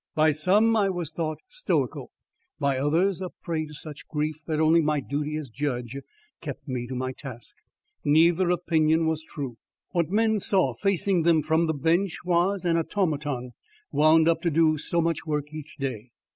By some I was thought stoical; by others, a prey to such grief that only my duty as judge kept me to my task. Neither opinion was true. What men saw facing them from the Bench was an automaton wound up to do so much work each day.